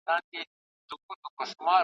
زورورو د کمزورو برخي وړلې `